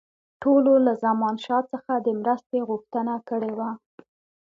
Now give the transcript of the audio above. ټولو له زمانشاه څخه د مرستې غوښتنه کړې وه.